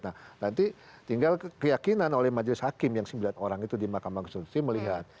nah nanti tinggal keyakinan oleh majelis hakim yang sembilan orang itu di makam konstitusi melihat